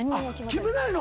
決めないの！